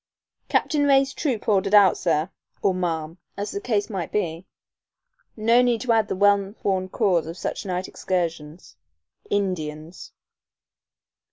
"Captain Ray's troop ordered out, sir," or "ma'am," as the case might be. No need to add the well worn cause of such night excursions "Indians."